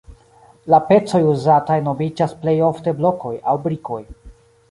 La pecoj uzataj nomiĝas plej ofte blokoj aŭ brikoj.